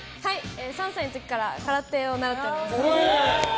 ３歳の時から空手を習ってます。